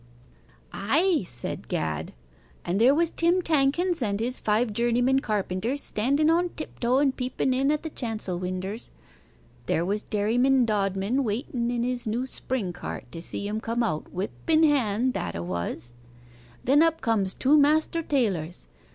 'Ay,' said Gad, 'and there was Tim Tankins and his five journeymen carpenters, standen on tiptoe and peepen in at the chancel winders. There was Dairyman Dodman waiten in his new spring cart to see 'em come out whip in hand that 'a was. Then up comes two master tailors.